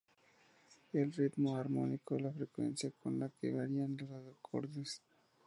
El ritmo armónico es la frecuencia con la que varían los acordes.